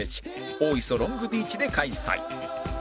大磯ロングビーチで開催